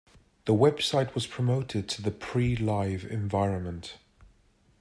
The website was promoted to the pre-live environment.